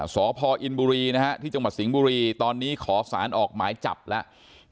สพอินบุรีนะฮะที่จังหวัดสิงห์บุรีตอนนี้ขอสารออกหมายจับแล้ว